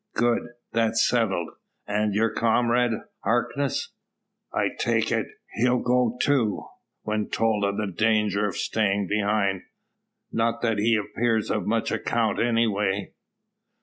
"Good! That's settled. An' your comrade, Harkness; I take it, he'll go, too, when told o' the danger of staying behind; not that he appears o' much account, anyway.